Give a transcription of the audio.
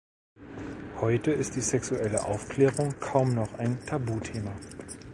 Heute ist die sexuelle Aufklärung kaum noch ein Tabuthema.